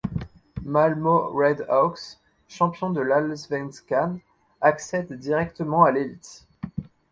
Malmö Redhawks, champion de l'Allsvenskan accède directement à l'élite.